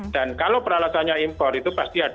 dan kalau peralatannya impor itu pasti ada ongkos